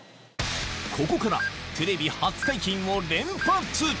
ここからテレビ初解禁を連発！